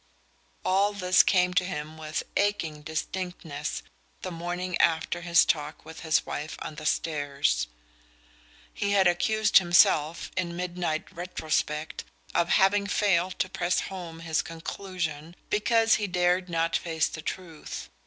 All this came to him with aching distinctness the morning after his talk with his wife on the stairs. He had accused himself, in midnight retrospect, of having failed to press home his conclusion because he dared not face the truth.